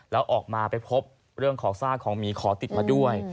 แล้วออกมาไปพบเรื่องของซากของหมีขอติดมาด้วย